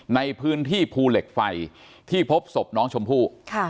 ในพื้นที่ภูเหล็กไฟที่พบศพน้องชมพู่